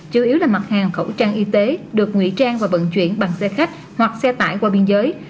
chủ yếu là mặt hàng khẩu trang y tế được ngụy trang và vận chuyển bằng xe khách hoặc xe tải qua biên giới